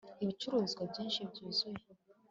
ibicuruzwa byinshi byuzuye